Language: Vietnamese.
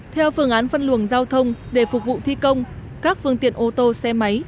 theo phương án phân luồng giao thông để phục vụ thi công các phương tiện ô tô xe máy